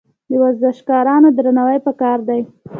د ورزشکارانو درناوی پکار دی.